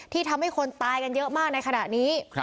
ทำให้คนตายกันเยอะมากในขณะนี้